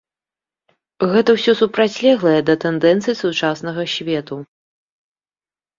Гэта ўсё супрацьлеглае да тэндэнцый сучаснага свету.